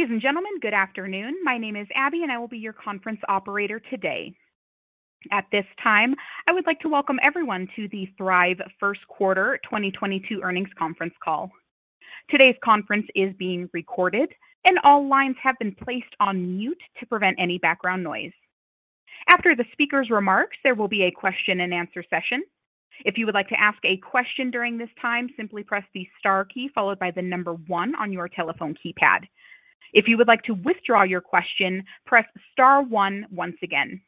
Ladies and gentlemen, good afternoon. My name is Abby, and I will be your conference operator today. At this time, I would like to welcome everyone to the Thryv first quarter 2022 earnings conference call. Today's conference is being recorded and all lines have been placed on mute to prevent any background noise. After the speaker's remarks, there will be a question and answer session. If you would like to ask a question during this time, simply press the star key followed by the number one on your telephone keypad. If you would like to withdraw your question, press star one once again.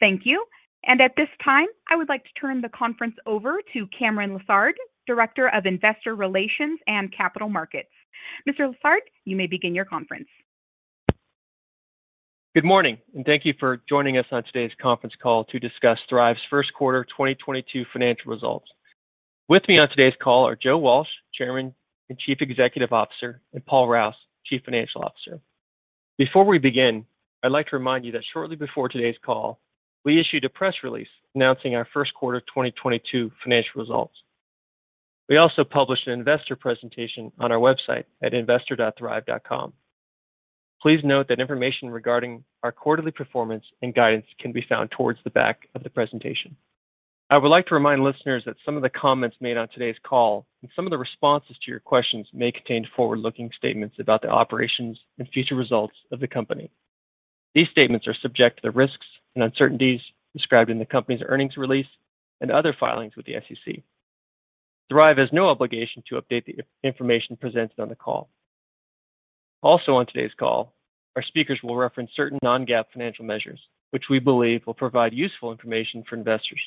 Thank you. At this time, I would like to turn the conference over to Cameron Lessard, Director of Investor Relations and Capital Markets. Mr. Lessard, you may begin your conference. Good morning, and thank you for joining us on today's conference call to discuss Thryv's first quarter 2022 financial results. With me on today's call are Joe Walsh, Chairman and Chief Executive Officer, and Paul Rouse, Chief Financial Officer. Before we begin, I'd like to remind you that shortly before today's call, we issued a press release announcing our first quarter 2022 financial results. We also published an investor presentation on our website at investor.thryv.com. Please note that information regarding our quarterly performance and guidance can be found towards the back of the presentation. I would like to remind listeners that some of the comments made on today's call and some of the responses to your questions may contain forward-looking statements about the operations and future results of the company. These statements are subject to the risks and uncertainties described in the company's earnings release and other filings with the SEC. Thryv has no obligation to update the information presented on the call. Also on today's call, our speakers will reference certain Non-GAAP financial measures, which we believe will provide useful information for investors.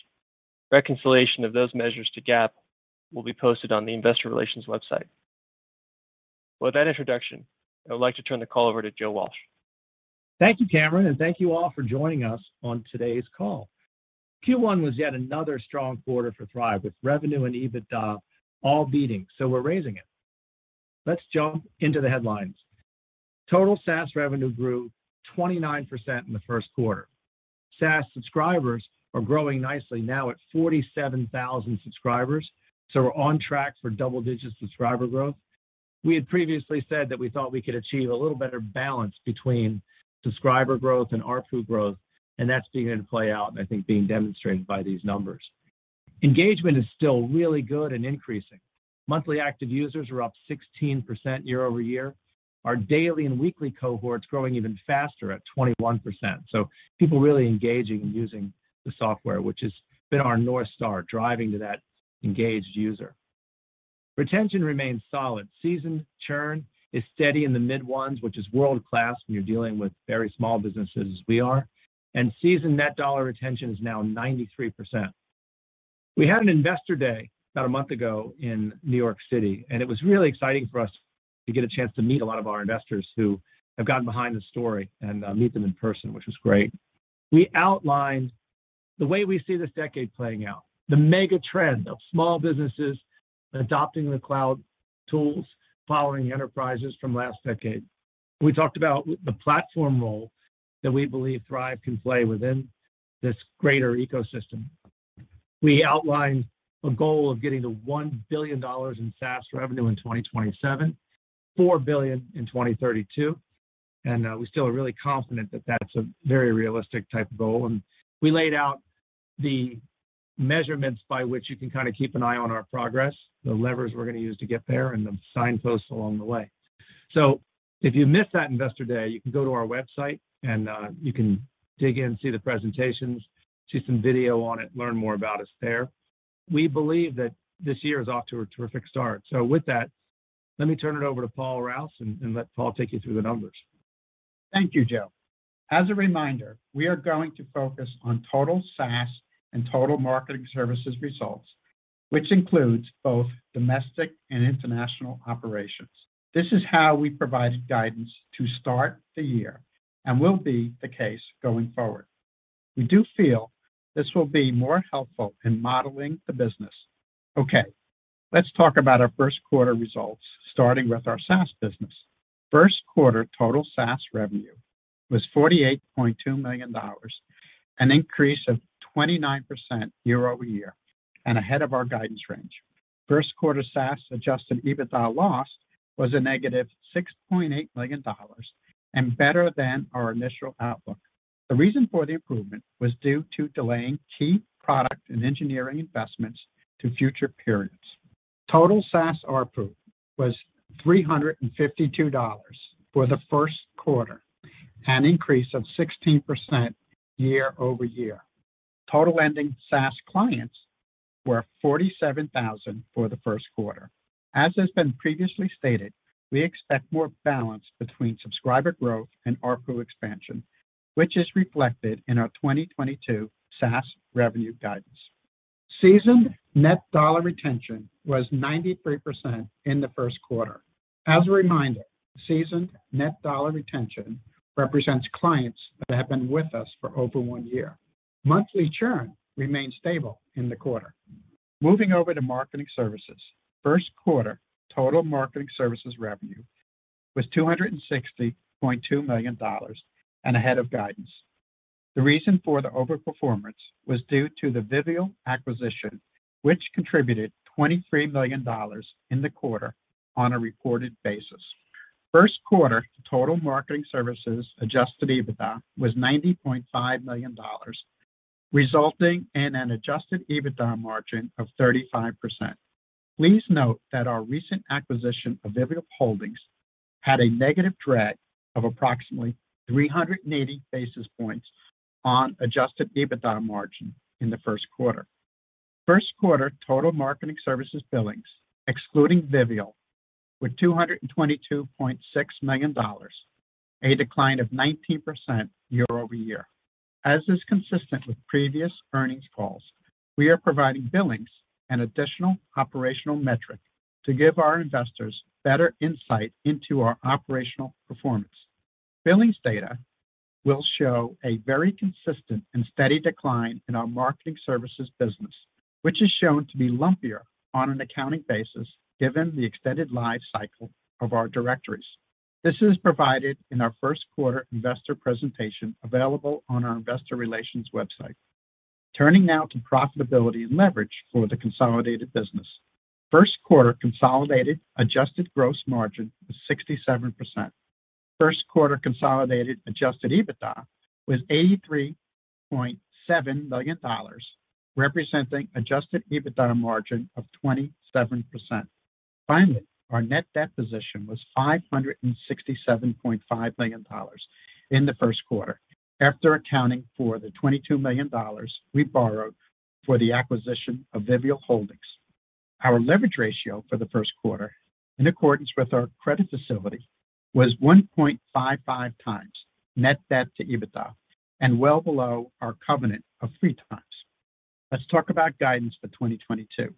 Reconciliation of those measures to GAAP will be posted on the investor relations website. With that introduction, I would like to turn the call over to Joe Walsh. Thank you, Cameron, and thank you all for joining us on today's call. Q1 was yet another strong quarter for Thryv, with revenue and EBITDA all beating, so we're raising it. Let's jump into the headlines. Total SaaS revenue grew 29% in the first quarter. SaaS subscribers are growing nicely now at 47,000 subscribers, so we're on track for double-digit subscriber growth. We had previously said that we thought we could achieve a little better balance between subscriber growth and ARPU growth, and that's beginning to play out, I think being demonstrated by these numbers. Engagement is still really good and increasing. Monthly active users are up 16% year-over-year. Our daily and weekly cohorts growing even faster at 21%. People really engaging and using the software, which has been our North Star, driving to that engaged user. Retention remains solid. Seasoned churn is steady in the mid ones, which is world-class when you're dealing with very small businesses as we are. Seasoned net dollar retention is now 93%. We had an investor day about a month ago in New York City, and it was really exciting for us to get a chance to meet a lot of our investors who have gotten behind the story and meet them in person, which was great. We outlined the way we see this decade playing out, the mega trend of small businesses adopting the cloud tools, following enterprises from last decade. We talked about the platform role that we believe Thryv can play within this greater ecosystem. We outlined a goal of getting to $1 billion in SaaS revenue in 2027, $4 billion in 2032, and we still are really confident that that's a very realistic type of goal. We laid out the measurements by which you can keep an eye on our progress, the levers we're gonna use to get there, and the signposts along the way. If you missed that investor day, you can go to our website and you can dig in, see the presentations, see some video on it, learn more about us there. We believe that this year is off to a terrific start. With that, let me turn it over to Paul Rouse and let Paul take you through the numbers. Thank you, Joe. As a reminder, we are going to focus on total SaaS and total Marketing Services results, which includes both domestic and international operations. This is how we provide guidance to start the year and will be the case going forward. We do feel this will be more helpful in modeling the business. Okay, let's talk about our first quarter results starting with our SaaS business. First quarter total SaaS revenue was $48.2 million, an increase of 29% year-over-year, and ahead of our guidance range. First quarter SaaS Adjusted EBITDA loss was -$6.8 million and better than our initial outlook. The reason for the improvement was due to delaying key product and engineering investments to future periods. Total SaaS ARPU was $352 for the first quarter, an increase of 16% year-over-year. Total ending SaaS clients were 47,000 for the first quarter. As has been previously stated, we expect more balance between subscriber growth and ARPU expansion, which is reflected in our 2022 SaaS revenue guidance. Seasoned net dollar retention was 93% in the first quarter. As a reminder, seasoned net dollar retention represents clients that have been with us for over one year. Monthly churn remained stable in the quarter. Moving over to marketing services. First quarter total marketing services revenue was $260.2 million and ahead of guidance. The reason for the overperformance was due to the Vivial acquisition, which contributed $23 million in the quarter on a reported basis. First quarter total marketing services Adjusted EBITDA was $90.5 million, resulting in an Adjusted EBITDA margin of 35%. Please note that our recent acquisition of Vivial Holdings had a negative drag of approximately 380 basis points on Adjusted EBITDA margin in the first quarter. First quarter total Marketing Services billings, excluding Vivial, were $222.6 million, a decline of 19% year-over-year. As is consistent with previous earnings calls, we are providing billings as an additional operational metric to give our investors better insight into our operational performance. Billings data will show a very consistent and steady decline in our Marketing Services business, which is shown to be lumpier on an accounting basis given the extended life cycle of our directories. This is provided in our first quarter investor presentation available on our investor relations website. Turning now to profitability and leverage for the consolidated business. First quarter consolidated adjusted gross margin was 67%. First quarter consolidated Adjusted EBITDA was $83.7 million, representing Adjusted EBITDA margin of 27%. Finally, our net debt position was $567.5 million in the first quarter after accounting for the $22 million we borrowed for the acquisition of Vivial. Our leverage ratio for the first quarter, in accordance with our credit facility, was 1.55 times net debt to EBITDA and well below our covenant of 3 times. Let's talk about guidance for 2022.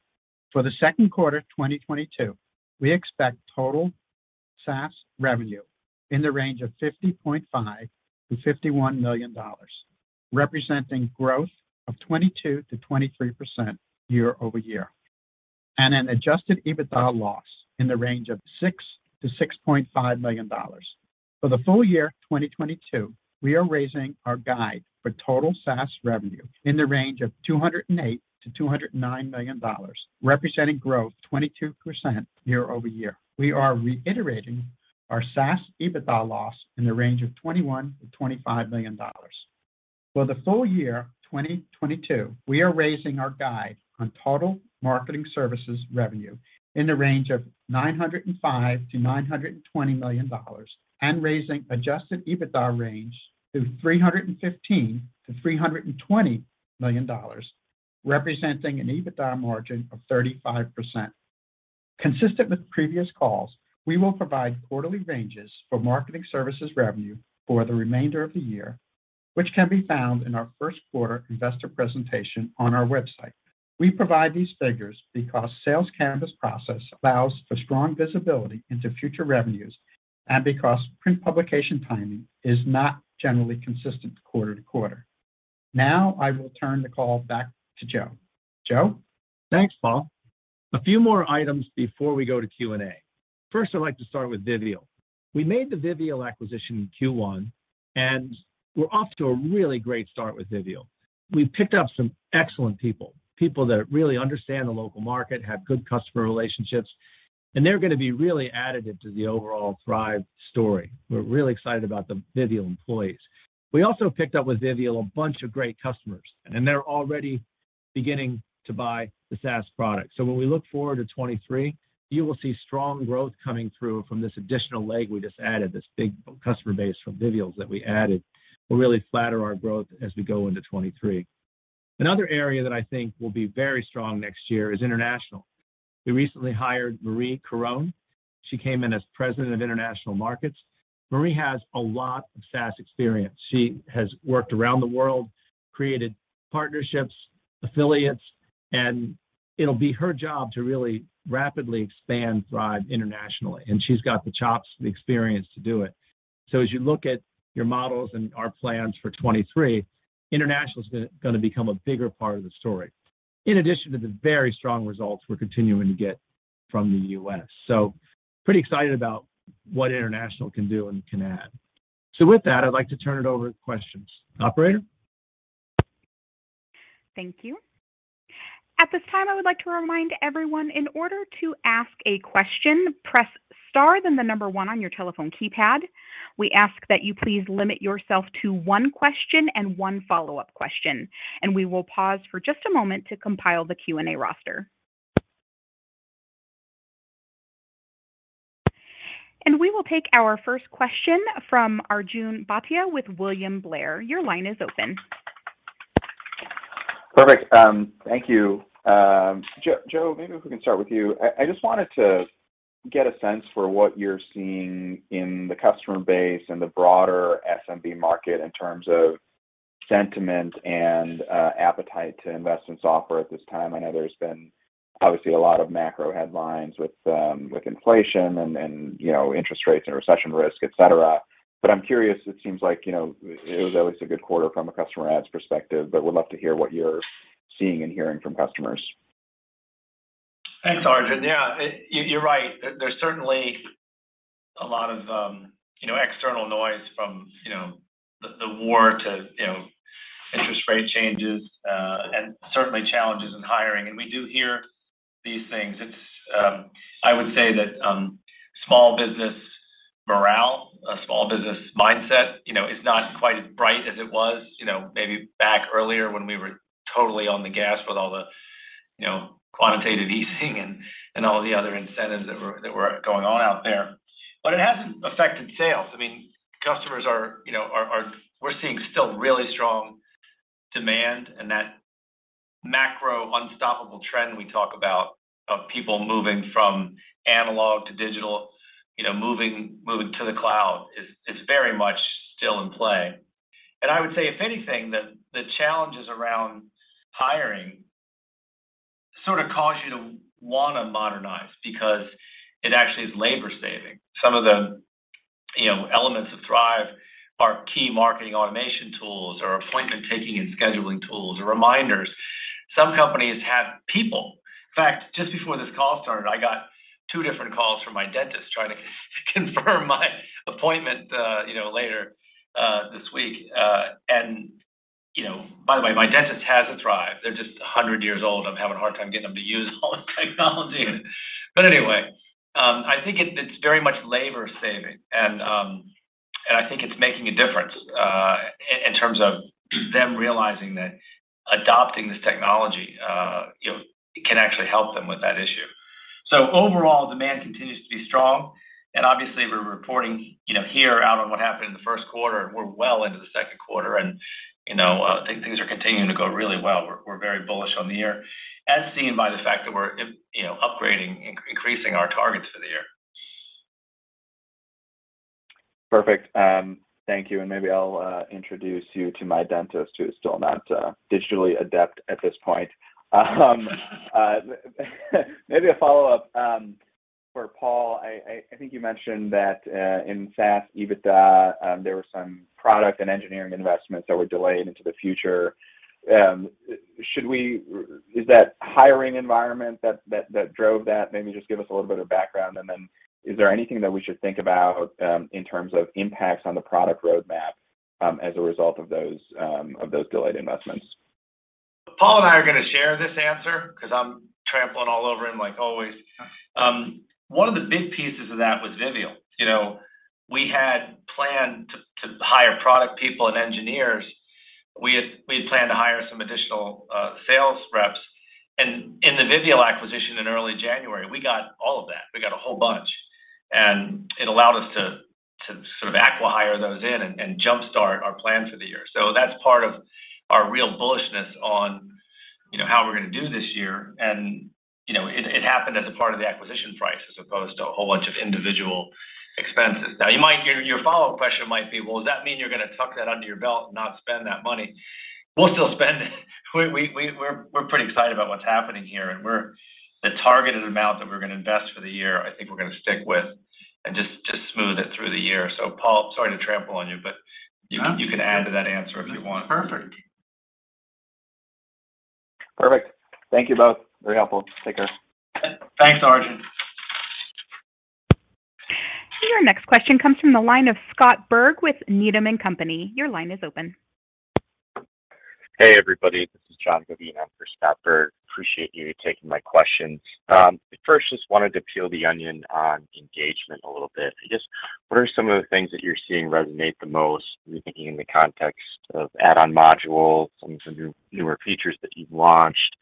For the second quarter of 2022, we expect total SaaS revenue in the range of $50.5 million-$51 million, representing growth of 22%-23% year-over-year, and an Adjusted EBITDA loss in the range of $6 million-$6.5 million. For the full year 2022, we are raising our guide for total SaaS revenue in the range of $208 million-$209 million, representing growth 22% year-over-year. We are reiterating our SaaS EBITDA loss in the range of $21 million-$25 million. For the full year 2022, we are raising our guide on total Marketing Services revenue in the range of $905 million-$920 million, and raising Adjusted EBITDA range to $315 million-$320 million, representing an EBITDA margin of 35%. Consistent with previous calls, we will provide quarterly ranges for Marketing Services revenue for the remainder of the year, which can be found in our first quarter investor presentation on our website. We provide these figures because sales canvas process allows for strong visibility into future revenues and because print publication timing is not generally consistent quarter to quarter. Now I will turn the call back to Joe. Joe? Thanks, Paul. A few more items before we go to Q&A. First, I'd like to start with Vivial. We made the Vivial acquisition in Q1, and we're off to a really great start with Vivial. We've picked up some excellent people that really understand the local market, have good customer relationships, and they're gonna be really additive to the overall Thryv story. We're really excited about the Vivial employees. We also picked up with Vivial a bunch of great customers, and they're already beginning to buy the SaaS product. When we look forward to 2023, you will see strong growth coming through from this additional leg we just added, this big customer base from Vivial that we added will really flatter our growth as we go into 2023. Another area that I think will be very strong next year is international. We recently hired Marie-Michèle Caron. She came in as President of International Markets. Marie has a lot of SaaS experience. She has worked around the world, created partnerships, affiliates, and it'll be her job to really rapidly expand Thryv internationally, and she's got the chops and experience to do it. As you look at your models and our plans for 2023, international's gonna become a bigger part of the story, in addition to the very strong results we're continuing to get from the U.S. Pretty excited about what international can do and can add. With that, I'd like to turn it over to questions. Operator? Thank you. At this time, I would like to remind everyone, in order to ask a question, press star, then the number one on your telephone keypad. We ask that you please limit yourself to one question and one follow-up question, and we will pause for just a moment to compile the Q&A roster. We will take our first question from Arjun Bhatia with William Blair. Your line is open. Perfect. Thank you. Joe, maybe if we can start with you. I just wanted to get a sense for what you're seeing in the customer base and the broader SMB market in terms of sentiment and appetite to invest in software at this time. I know there's been obviously a lot of macro headlines with inflation and, you know, interest rates and recession risk, et cetera. I'm curious, it seems like, you know, it was at least a good quarter from a customer adds perspective, but would love to hear what you're seeing and hearing from customers. Thanks, Arjun. Yeah, you're right. There's certainly a lot of, you know, external noise from, you know, the war to, you know, interest rate changes, and certainly challenges in hiring. We do hear these things. I would say that small business morale, a small business mindset, you know, is not quite as bright as it was, you know, maybe back earlier when we were totally on the gas with all the, you know, quantitative easing and all the other incentives that were going on out there. It hasn't affected sales. I mean, customers are, you know, we're seeing still really strong demand, and that macro unstoppable trend we talk about of people moving from analog to digital, you know, moving to the cloud is very much still in play. I would say, if anything, the challenges around hiring sort of cause you to wanna modernize because it actually is labor-saving. Some of the, you know, elements of Thryv are key marketing automation tools or appointment taking and scheduling tools or reminders. Some companies have people. In fact, just before this call started, I got two different calls from my dentist trying to confirm my appointment, you know, later this week. And, you know, by the way, my dentist has a Thryv. They're just a hundred years old. I'm having a hard time getting them to use all the technology. Anyway, I think it's very much labor-saving, and I think it's making a difference in terms of them realizing that adopting this technology, you know, can actually help them with that issue. Overall, demand continues to be strong, and obviously we're reporting, you know, here on what happened in the first quarter, and we're well into the second quarter and, you know, things are continuing to go really well. We're very bullish on the year, as seen by the fact that we're upgrading, increasing our targets for the year. Perfect. Thank you. Maybe I'll introduce you to my dentist who is still not digitally adept at this point. Maybe a follow-up for Paul. I think you mentioned that in SaaS EBITDA there were some product and engineering investments that were delayed into the future. Is that hiring environment that drove that? Maybe just give us a little bit of background, and then is there anything that we should think about in terms of impacts on the product roadmap as a result of those delayed investments? Paul and I are gonna share this answer 'cause I'm trampling all over him like always. One of the big pieces of that was Vivial. You know, we had planned to hire product people and engineers. We had planned to hire some additional sales reps. In the Vivial acquisition in early January, we got all of that. We got a whole bunch. It allowed us to sort of acqui-hire those in and jump-start our plan for the year. That's part of our real bullishness on, you know, how we're gonna do this year. You know, it happened as a part of the acquisition price as opposed to a whole bunch of individual expenses. Now, you might, your follow-up question might be, well, does that mean you're gonna tuck that under your belt and not spend that money? We'll still spend it. We're pretty excited about what's happening here. The targeted amount that we're gonna invest for the year, I think we're gonna stick with and just smooth it through the year. Paul, sorry to trample on you, but you can add to that answer if you want. That's perfect. Perfect. Thank you both. Very helpful. Take care. Thanks, Arjun. Your next question comes from the line of Scott Berg with Needham & Company. Your line is open. Hey, everybody. This is John [inaudible] in for Scott Berg. Appreciate you taking my question. First, just wanted to peel the onion on engagement a little bit. I guess, what are some of the things that you're seeing resonate the most, maybe thinking in the context of add-on modules and some new, newer features that you've launched,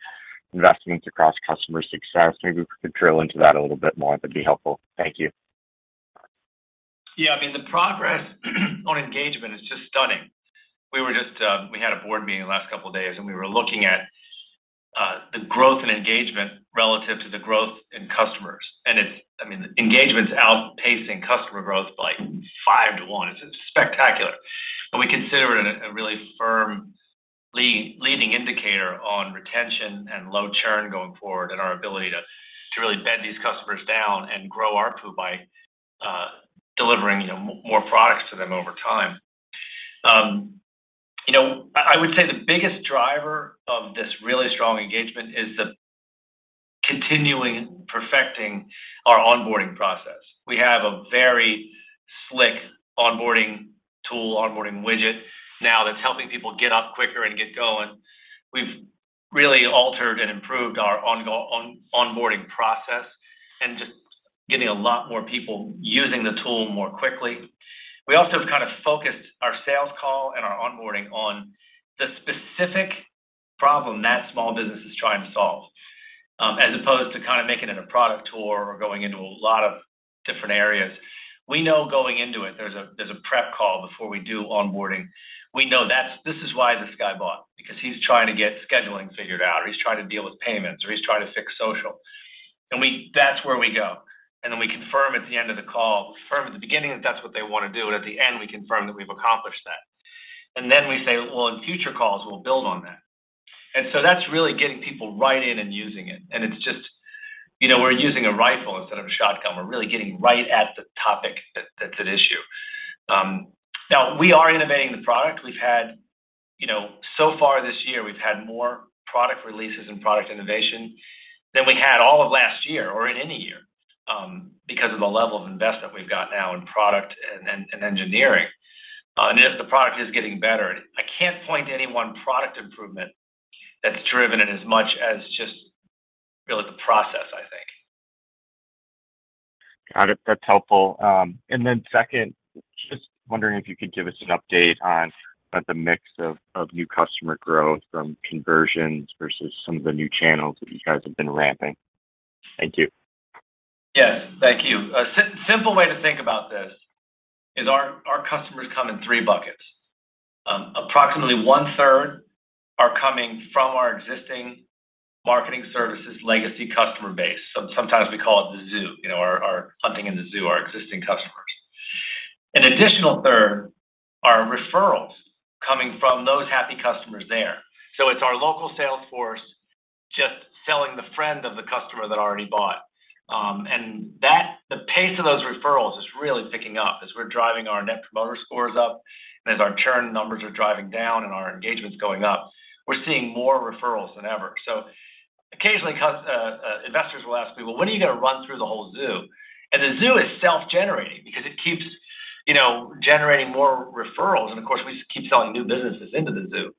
investments across customer success? Maybe if we could drill into that a little bit more, that'd be helpful. Thank you. Yeah. I mean, the progress on engagement is just stunning. We had a board meeting the last couple of days, and we were looking at the growth in engagement relative to the growth in customers. It's I mean, engagement's outpacing customer growth by 5 to 1. It's spectacular. We consider it a really firm leading indicator on retention and low churn going forward and our ability to really bed these customers down and grow ARPU by delivering, you know, more products to them over time. You know, I would say the biggest driver of this really strong engagement is the continuing perfecting our onboarding process. We have a very slick onboarding tool, onboarding widget now that's helping people get up quicker and get going. We've really altered and improved our onboarding process and just getting a lot more people using the tool more quickly. We also have kind of focused our sales call and our onboarding on the specific problem that small business is trying to solve, as opposed to kind of making it a product tour or going into a lot of different areas. We know going into it, there's a prep call before we do onboarding. We know that's this is why this guy bought, because he's trying to get scheduling figured out, or he's trying to deal with payments, or he's trying to fix social. That's where we go. Then we confirm at the end of the call, confirm at the beginning that that's what they wanna do, and at the end, we confirm that we've accomplished that. Then we say, "Well, in future calls we'll build on that." That's really getting people right in and using it. It's just, you know, we're using a rifle instead of a shotgun. We're really getting right at the topic that that's at issue. Now we are innovating the product. We've had, you know, so far this year, we've had more product releases and product innovation than we had all of last year or in any year, because of the level of investment we've got now in product and engineering. And the product is getting better. I can't point to any one product improvement that's driven it as much as just really the process, I think. Got it. That's helpful. Second, just wondering if you could give us an update on the mix of new customer growth from conversions versus some of the new channels that you guys have been ramping? Thank you. Yes. Thank you. A simple way to think about this is our customers come in three buckets. Approximately 1/3 are coming from our existing Marketing Services legacy customer base. Sometimes we call it the zoo, you know, our hunting in the zoo, our existing customers. An additional 1/3 are referrals coming from those happy customers there. It's our local sales force just selling the friend of the customer that already bought. And that the pace of those referrals is really picking up as we're driving our Net Promoter Scores up, and as our churn numbers are driving down and our engagement's going up, we're seeing more referrals than ever. Occasionally investors will ask me, "Well, when are you gonna run through the whole zoo?" The zoo is self-generating because it keeps, you know, generating more referrals, and of course, we keep selling new businesses into the zoo.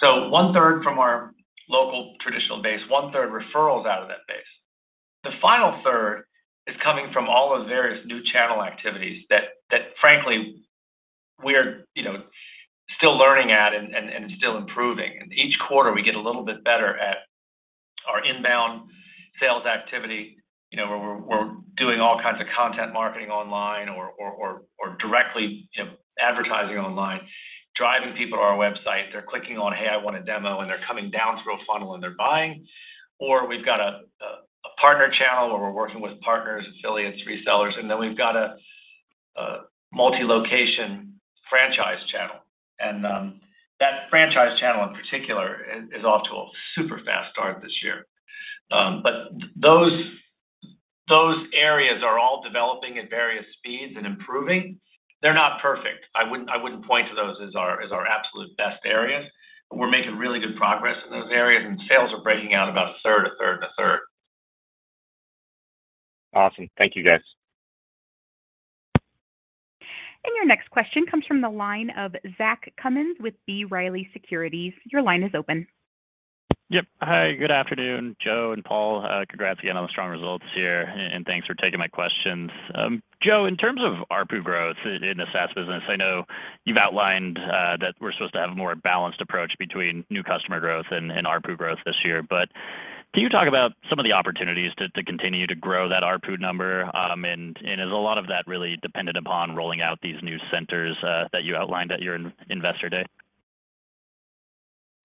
1/3 from our local traditional base, 1/3 referrals out of that base. The final third is coming from all the various new channel activities that frankly we're, you know, still learning at and still improving. Each quarter we get a little bit better at our inbound sales activity. You know, we're doing all kinds of content marketing online or directly, you know, advertising online, driving people to our website. They're clicking on, "Hey, I want a demo," and they're coming down through a funnel, and they're buying. We've got a partner channel where we're working with partners, affiliates, resellers, and then we've got a multi-location franchise channel. That franchise channel in particular is off to a super fast start this year. Those areas are all developing at various speeds and improving. They're not perfect. I wouldn't point to those as our absolute best areas, but we're making really good progress in those areas, and sales are breaking out about a third, a third, and a third. Awesome. Thank you, guys. Your next question comes from the line of Zach Cummins with B. Riley Securities. Your line is open. Yep. Hi, good afternoon, Joe and Paul. Congrats again on the strong results here, and thanks for taking my questions. Joe, in terms of ARPU growth in the SaaS business, I know you've outlined that we're supposed to have a more balanced approach between new customer growth and ARPU growth this year. Can you talk about some of the opportunities to continue to grow that ARPU number, and is a lot of that really dependent upon rolling out these new centers that you outlined at your Investor Day?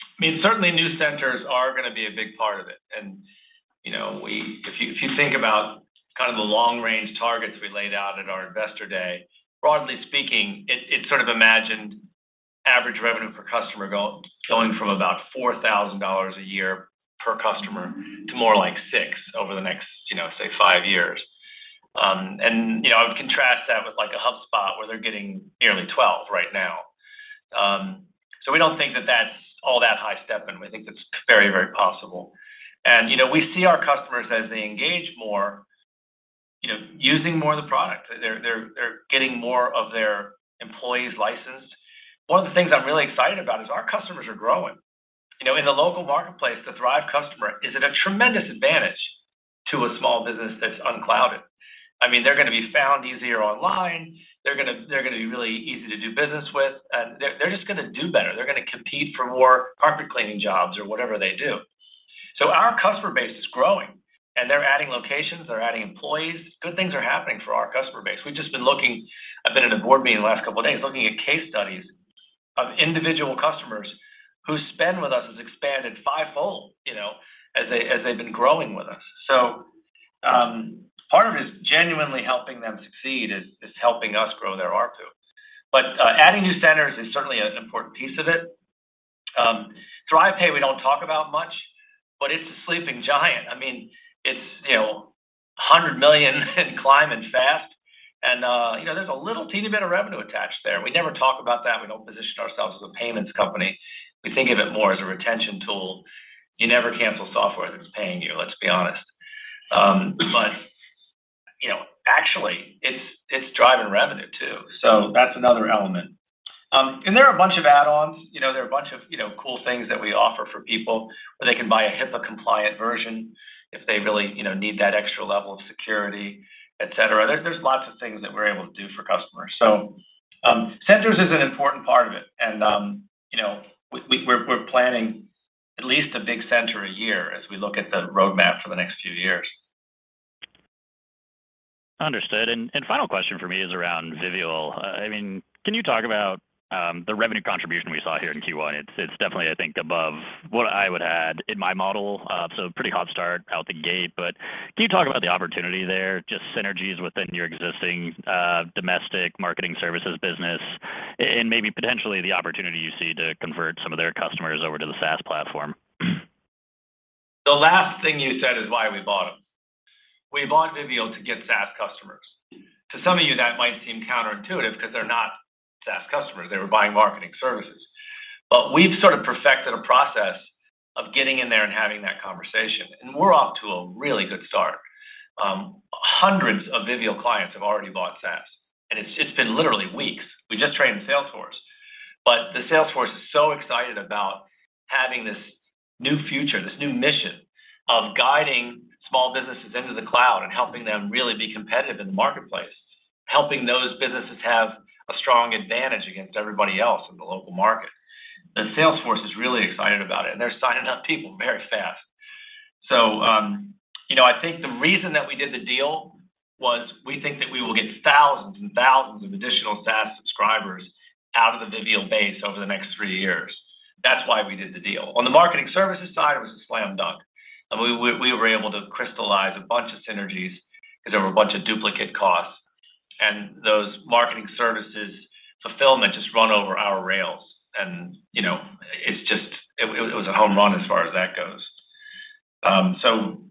I mean, certainly new centers are gonna be a big part of it. You know, if you think about kind of the long-range targets we laid out at our investor day, broadly speaking, it sort of imagined average revenue per customer going from about $4,000 a year per customer to more like $6,000 over the next, you know, say five years. I would contrast that with like a HubSpot where they're getting nearly $12,000 right now. We don't think that that's all that high stepping. We think it's very, very possible. You know, we see our customers as they engage more, you know, using more of the product. They're getting more of their employees licensed. One of the things I'm really excited about is our customers are growing. You know, in the local marketplace, the Thryv customer is at a tremendous advantage to a small business that's unclouded. I mean, they're gonna be found easier online, they're gonna be really easy to do business with, and they're just gonna do better. They're gonna compete for more carpet cleaning jobs or whatever they do. Our customer base is growing, and they're adding locations, they're adding employees. Good things are happening for our customer base. I've been at a board meeting the last couple of days looking at case studies of individual customers whose spend with us has expanded fivefold, you know, as they've been growing with us. Part of it is genuinely helping them succeed is helping us grow their ARPUs. Adding new centers is certainly an important piece of it. ThryvPay we don't talk about much, but it's a sleeping giant. I mean, it's, you know, $100 million and climbing fast, and, you know, there's a little teeny bit of revenue attached there. We never talk about that. We don't position ourselves as a payments company. We think of it more as a retention tool. You never cancel software that's paying you, let's be honest. You know, actually it's driving revenue too. That's another element. There are a bunch of add-ons. You know, there are a bunch of, you know, cool things that we offer for people, where they can buy a HIPAA-compliant version if they really, you know, need that extra level of security, et cetera. There's lots of things that we're able to do for customers. Centers is an important part of it. You know, we're planning at least a big center a year as we look at the roadmap for the next few years. Understood. Final question from me is around Vivial. I mean, can you talk about the revenue contribution we saw here in Q1? It's definitely, I think, above what I would add in my model. Pretty hot start out the gate. Can you talk about the opportunity there, just synergies within your existing domestic Marketing Services business and maybe potentially the opportunity you see to convert some of their customers over to the SaaS platform? The last thing you said is why we bought them. We bought Vivial to get SaaS customers. To some of you, that might seem counterintuitive because they're not SaaS customers. They were buying marketing services. We've sort of perfected a process of getting in there and having that conversation, and we're off to a really good start. Hundreds of Vivial clients have already bought SaaS, and it's been literally weeks. We just trained sales force. The sales force is so excited about having this new future, this new mission of guiding small businesses into the cloud and helping them really be competitive in the marketplace, helping those businesses have a strong advantage against everybody else in the local market. The sales force is really excited about it, and they're signing up people very fast. You know, I think the reason that we did the deal was we think that we will get thousands and thousands of additional SaaS subscribers out of the Vivial base over the next three years. That's why we did the deal. On the Marketing Services side, it was a slam dunk. We were able to crystallize a bunch of synergies 'cause there were a bunch of duplicate costs. Those Marketing Services fulfillment just run over our rails and, you know, it's just, it was a home run as far as that goes.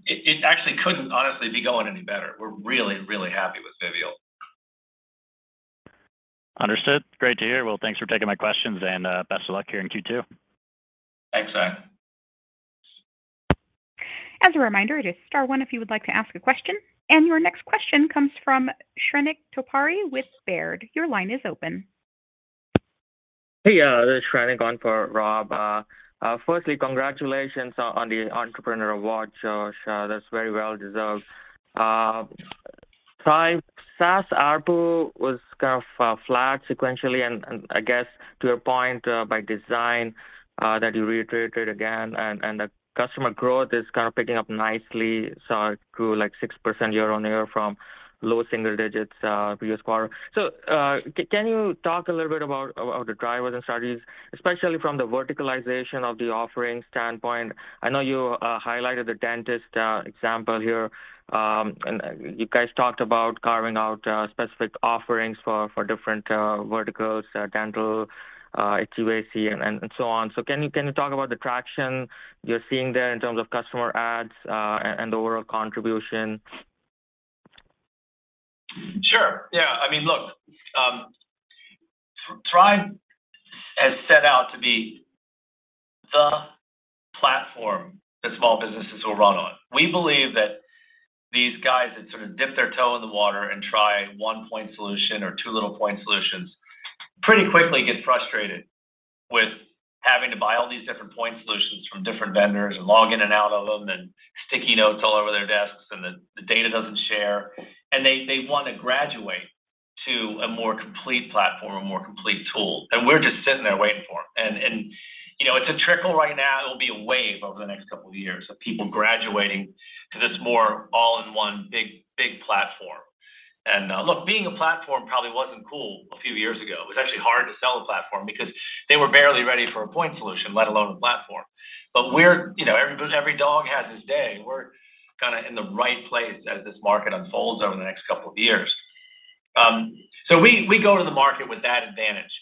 It actually couldn't honestly be going any better. We're really, really happy with Vivial. Understood. Great to hear. Well, thanks for taking my questions and best of luck here in Q2. Thanks, Zach. As a reminder, it is star one if you would like to ask a question, and your next question comes from Shrenik Kothari with Baird. Your line is open. Hey, this is Shrenik on for Rob. Firstly, congratulations on the entrepreneur award, Joe. That's very well deserved. SaaS ARPU was kind of flat sequentially, and I guess to a point by design that you reiterated again, and the customer growth is kind of picking up nicely, so it grew, like, 6% year-over-year from low single digits previous quarter. Can you talk a little bit about the drivers and strategies, especially from the verticalization of the offering standpoint? I know you highlighted the dentist example here, and you guys talked about carving out specific offerings for different verticals, dental, HVAC and so on. Can you talk about the traction you're seeing there in terms of customer adds, and the overall contribution? Sure. Yeah. I mean, look, Thryv has set out to be the platform that small businesses will run on. We believe that these guys that sort of dip their toe in the water and try one point solution or two little point solutions pretty quickly get frustrated with having to buy all these different point solutions from different vendors and log in and out of them, and sticky notes all over their desks, and the data doesn't share. They wanna graduate to a more complete platform, a more complete tool, and we're just sitting there waiting for them. You know, it's a trickle right now. It'll be a wave over the next couple of years of people graduating to this more all-in-one big platform. Look, being a platform probably wasn't cool a few years ago. It was actually hard to sell a platform because they were barely ready for a point solution, let alone a platform. We're, you know, every dog has his day. We're kinda in the right place as this market unfolds over the next couple of years. We go to the market with that advantage.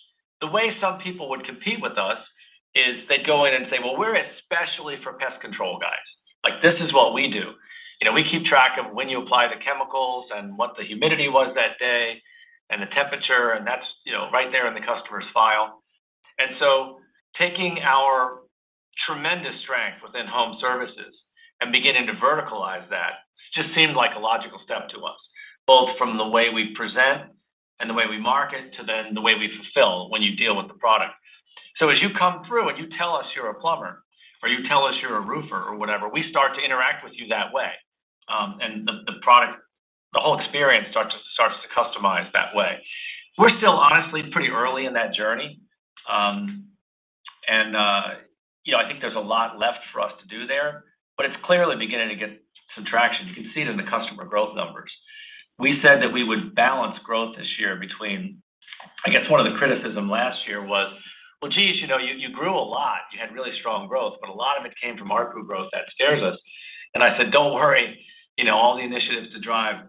The way some people would compete with us is they'd go in and say, "Well, we're especially for pest control guys. Like, this is what we do. You know, we keep track of when you apply the chemicals and what the humidity was that day, and the temperature, and that's, you know, right there in the customer's file." Taking our tremendous strength within home services and beginning to verticalize that just seemed like a logical step to us, both from the way we present and the way we market to then the way we fulfill when you deal with the product. As you come through, and you tell us you're a plumber or you tell us you're a roofer or whatever, we start to interact with you that way. And the product, the whole experience starts to customize that way. We're still honestly pretty early in that journey. You know, I think there's a lot left for us to do there, but it's clearly beginning to get some traction. You can see it in the customer growth numbers. We said that we would balance growth this year between, I guess, one of the criticism last year was, "Well, geez, you know, you grew a lot. You had really strong growth, but a lot of it came from ARPU growth. That scares us." I said, "Don't worry, you know, all the initiatives to drive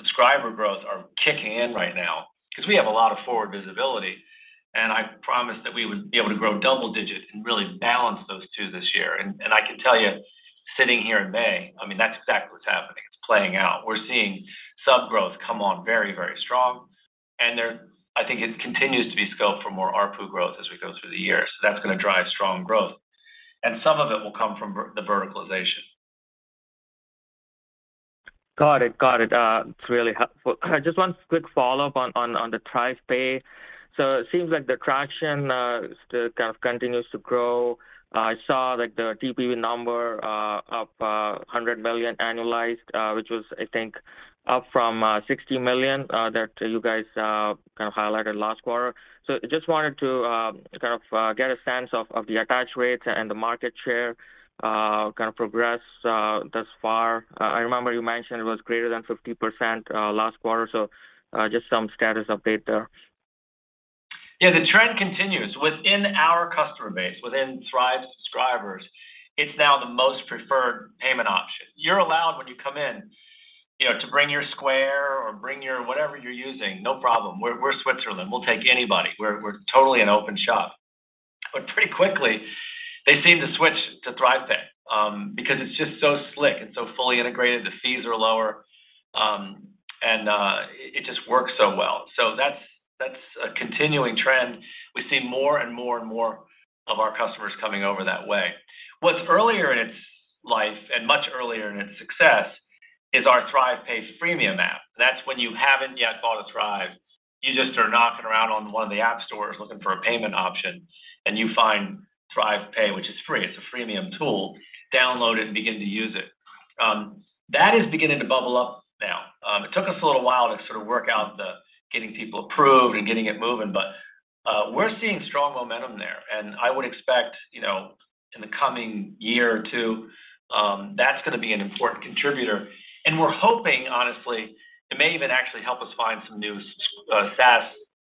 subscriber growth are kicking in right now 'cause we have a lot of forward visibility." I promised that we would be able to grow double digits and really balance those two this year. I can tell you sitting here in May, I mean, that's exactly what's happening. It's playing out. We're seeing sub growth come on very, very strong. I think it continues to be scope for more ARPU growth as we go through the year. That's gonna drive strong growth, and some of it will come from the verticalization. Got it. It's really helpful. Just one quick follow-up on the ThryvPay. It seems like the traction kind of continues to grow. I saw, like, the TPV number up 100 million annualized, which was I think up from 60 million that you guys kind of highlighted last quarter. Just wanted to kind of get a sense of the attach rate and the market share kind of progress thus far. I remember you mentioned it was greater than 50% last quarter. Just some status update there. Yeah. The trend continues. Within our customer base, within Thryv subscribers, it's now the most preferred payment option. You're allowed when you come in, you know, to bring your Square, your whatever you're using, no problem. We're Switzerland, we'll take anybody. We're totally an open shop. But pretty quickly, they seem to switch to ThryvPay because it's just so slick and so fully integrated, the fees are lower, and it just works so well. So that's a continuing trend. We see more and more and more of our customers coming over that way. What's earlier in its life and much earlier in its success is our ThryvPay freemium app. That's when you haven't yet bought a Thryv, you just are knocking around on one of the app stores looking for a payment option, and you find ThryvPay, which is free, it's a freemium tool, download it and begin to use it. That is beginning to bubble up now. It took us a little while to sort of work out the getting people approved and getting it moving, but, we're seeing strong momentum there. I would expect, you know, in the coming year or two, that's gonna be an important contributor. We're hoping, honestly, it may even actually help us find some new SaaS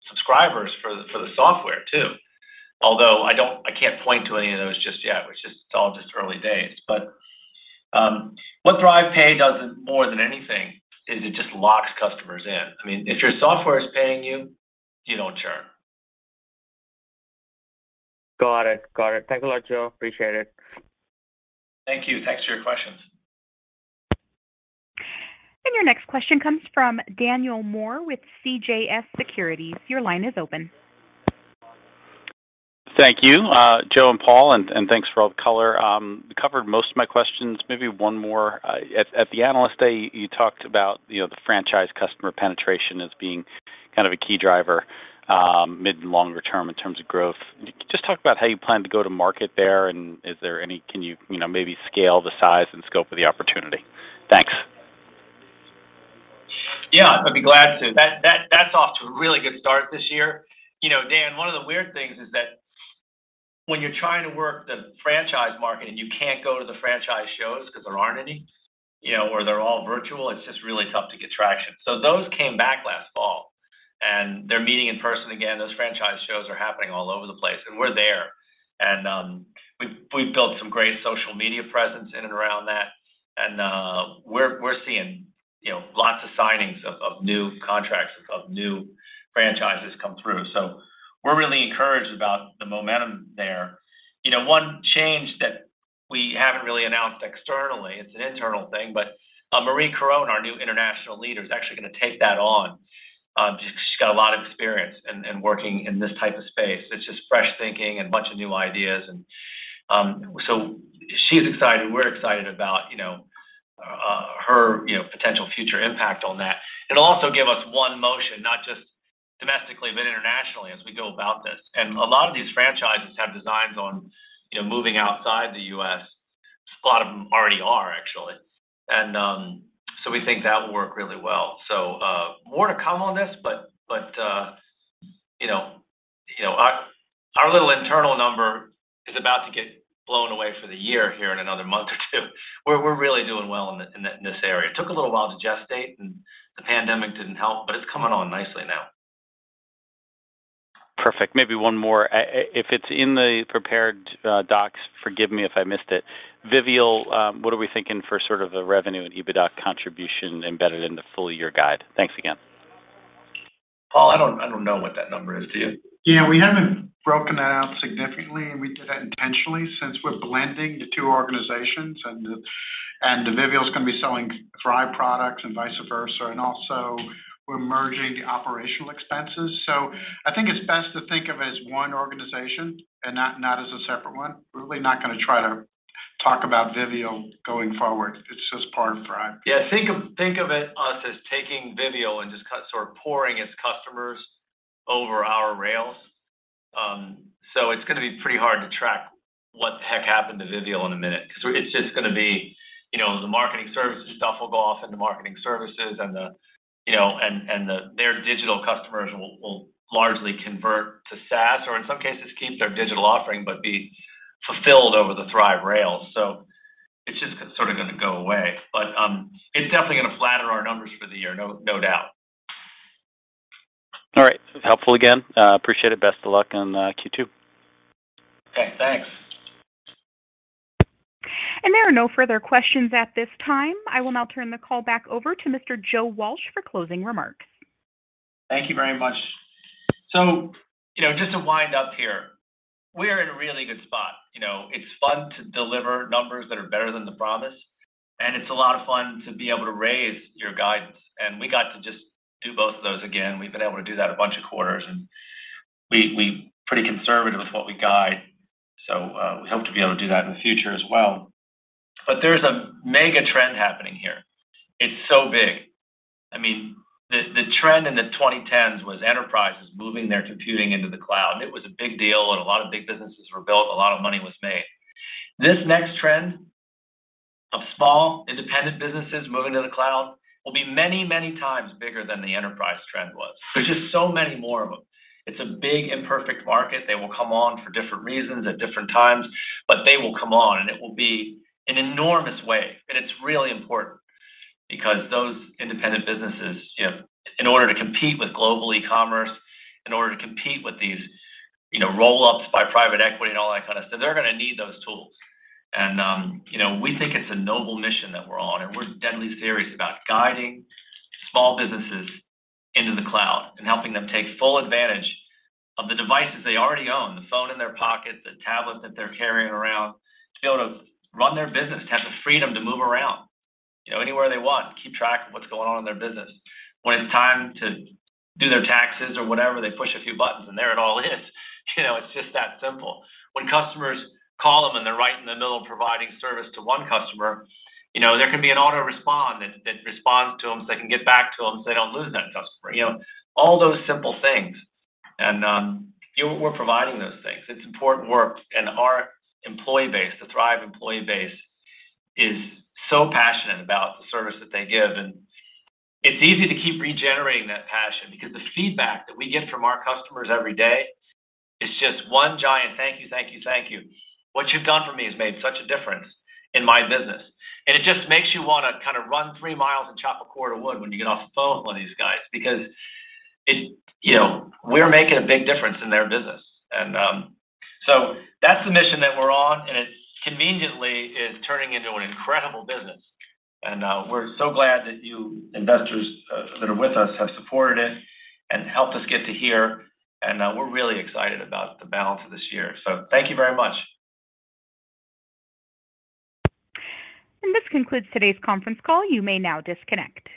subscribers for the software too. Although I can't point to any of those just yet, which is all just early days. What ThryvPay does more than anything is it just locks customers in. I mean, if your software is paying you don't churn. Got it. Thanks a lot, Joe. Appreciate it. Thank you. Thanks for your questions. Your next question comes from Daniel Moore with CJS Securities. Your line is open. Thank you, Joe and Paul, and thanks for all the color. You covered most of my questions. Maybe one more. At the Analyst Day, you talked about, you know, the franchise customer penetration as being kind of a key driver, mid and longer term in terms of growth. Can you just talk about how you plan to go to market there, and can you know, maybe scale the size and scope of the opportunity? Thanks. Yeah, I'd be glad to. That's off to a really good start this year. You know, Dan, one of the weird things is that when you're trying to work the franchise market and you can't go to the franchise shows because there aren't any, you know, or they're all virtual, it's just really tough to get traction. Those came back last fall, and they're meeting in person again. Those franchise shows are happening all over the place, and we're there. We've built some great social media presence in and around that. We're seeing, you know, lots of signings of new contracts of new franchises come through. We're really encouraged about the momentum there. You know, one change that we haven't really announced externally, it's an internal thing, but, Marie-Michèle Caron, our new international leader, is actually gonna take that on. She's got a lot of experience in working in this type of space. It's just fresh thinking and a bunch of new ideas. She's excited, we're excited about, you know, her, you know, potential future impact on that. It'll also give us one motion, not just domestically but internationally as we go about this. A lot of these franchises have designs on, you know, moving outside the U.S. A lot of them already are, actually. We think that will work really well. More to come on this, but you know, our little internal number is about to get blown away for the year here in another month or two. We're really doing well in this area. It took a little while to gestate, and the pandemic didn't help, but it's coming on nicely now. Perfect. Maybe one more. If it's in the prepared docs, forgive me if I missed it. Vivial, what are we thinking for sort of the revenue and EBITDA contribution embedded in the full year guide? Thanks again. Paul, I don't know what that number is. Do you? Yeah. We haven't broken that out significantly, and we did that intentionally since we're blending the two organizations, and the Vivial's gonna be selling Thryv products and vice versa. We're merging the operational expenses. I think it's best to think of it as one organization and not as a separate one. We're really not gonna try to talk about Vivial going forward. It's just part of Thryv. Yeah. Think of it as us taking Vivial and just sort of pouring its customers over our rails. It's gonna be pretty hard to track what the heck happened to Vivial in a minute 'cause it's just gonna be, you know, the Marketing Services stuff will go off into Marketing Services, and you know, their digital customers will largely convert to SaaS, or in some cases, keep their digital offering, but be fulfilled over the Thryv rails. It's just sort of gonna go away. It's definitely gonna flatter our numbers for the year, no doubt. All right. Helpful again. Appreciate it. Best of luck on Q2. Okay, thanks. There are no further questions at this time. I will now turn the call back over to Mr. Joe Walsh for closing remarks. Thank you very much. You know, just to wind up here, we're in a really good spot, you know. It's fun to deliver numbers that are better than the promise, and it's a lot of fun to be able to raise your guidance, and we got to just do both of those again. We've been able to do that a bunch of quarters, and we're pretty conservative with what we guide, so we hope to be able to do that in the future as well. There's a mega trend happening here. It's so big. I mean, the trend in the 2010s was enterprises moving their computing into the cloud. It was a big deal, and a lot of big businesses were built, a lot of money was made. This next trend of small independent businesses moving to the cloud will be many, many times bigger than the enterprise trend was. There's just so many more of them. It's a big imperfect market. They will come on for different reasons at different times, but they will come on, and it will be an enormous wave. It's really important because those independent businesses, you know, in order to compete with global e-commerce, in order to compete with these, you know, roll-ups by private equity and all that kind of stuff, they're gonna need those tools. You know, we think it's a noble mission that we're on, and we're deadly serious about guiding small businesses into the cloud and helping them take full advantage of the devices they already own, the phone in their pockets, the tablet that they're carrying around to be able to run their business, to have the freedom to move around, you know, anywhere they want and keep track of what's going on in their business. When it's time to do their taxes or whatever, they push a few buttons, and there it all is. You know, it's just that simple. When customers call them and they're right in the middle of providing service to one customer, you know, there can be an auto-respond that responds to them, so they can get back to them, so they don't lose that customer. You know, all those simple things. You know, we're providing those things. It's important work. Our employee base, the Thryv employee base, is so passionate about the service that they give. It's easy to keep regenerating that passion because the feedback that we get from our customers every day is just one giant thank you, thank you, thank you. What you've done for me has made such a difference in my business. It just makes you wanna kind of run three miles and chop a cord of wood when you get off the phone with one of these guys because you know, we're making a big difference in their business. That's the mission that we're on, and it conveniently is turning into an incredible business. We're so glad that you investors that are with us have supported it and helped us get to here. We're really excited about the balance of this year. Thank you very much. This concludes today's conference call. You may now disconnect.